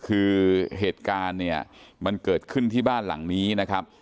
คือเหตุการณ์เนี่ยมันเกิดขึ้นที่บ้านหลังนี้นะครับ